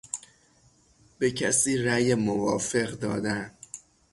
به کسی رای موافق دادن